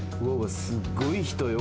すごい人よ。